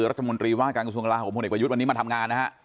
รัฐมนตรีว่างการกระทรวงอลาโหกของพมประยุทธิ์วันนี้มาทำงานนะครับ